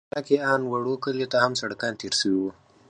خو په ميرانشاه کښې ان وړو کليو ته هم سړکان تېر سوي وو.